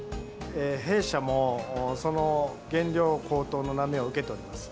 弊社もその原料高騰の波を受けております。